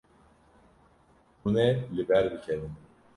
Hûn ê li ber bikevin.